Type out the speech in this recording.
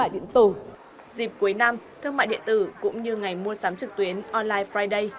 dịp cuối năm thương mại điện tử cũng như ngày mua sắm trực tuyến online friday